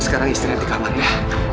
sekarang istrinya di kamar ya